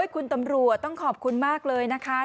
คุณตำรวจต้องขอบคุณมากเลยนะคะ